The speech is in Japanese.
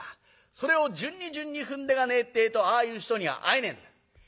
それを順に順に踏んでいかねえってえとああいう人には会えねえんだ。